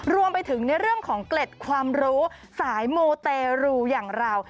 รวมไปถึงในเรื่องของเกล็ดความรู้สายมูเตรูอย่างเรา